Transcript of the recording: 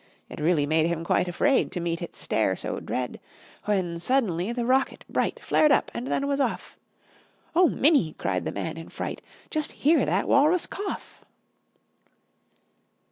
It really made him quite afraid To meet its stare so dread. When suddenly the rocket, bright, Flared up and then was off! "Oh, Minnie," cried the man in fright, "Just hear that walrus cough!"